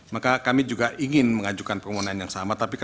maka kami juga ingin mengajukan permohonan yang sama